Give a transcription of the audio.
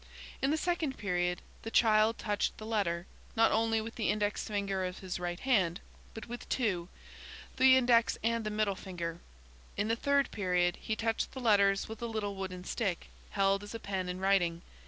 In the second period, the child touched the letter, not only with the index finger of his right hand, but with two, the index and the middle finger. In the third period, he touched the letters with a little wooden stick, held as a pen in writing.